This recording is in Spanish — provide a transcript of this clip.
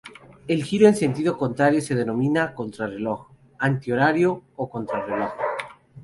El giro en sentido contrario se denomina contrarreloj, antihorario o contra reloj.